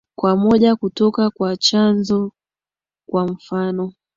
kwa moja kutoka kwa chanzo kwa mfano